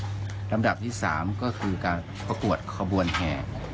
ลำดับที่๓ก็คือการประกวดขบวนแห่